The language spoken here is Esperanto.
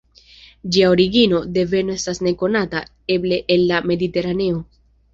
Ĝia origino, deveno estas nekonata, eble el la Mediteraneo.